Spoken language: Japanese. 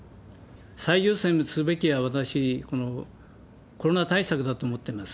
最優先をすべきは私、このコロナ対策だと思ってます。